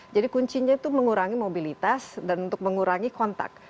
jadi kuncinya itu mengurangi mobilitas dan untuk mengurangi kontak